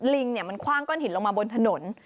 ลิงมันคว่างก้อนหินลงมาบนถนน